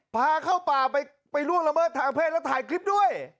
พาเข้าป่าไปล่วงละเมิดทางเพศแล้วถ่ายคลิปด้วย